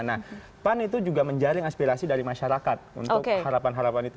nah pan itu juga menjaring aspirasi dari masyarakat untuk harapan harapan itu